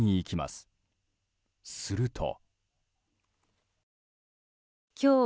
すると。